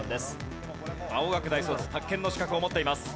青学大卒宅建の資格を持っています。